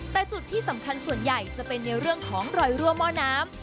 แต่จุดที่สำคัญส่วนใหญ่จะเป็นในเรื่องของรอยรั่วหม้อน้ำ